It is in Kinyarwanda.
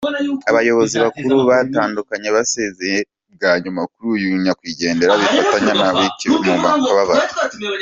Abayobozi bakuru batandukanye basezeye bwa nyuma kuri uyu nyakwigendera, bifatanya na Kibaki mu kababaro.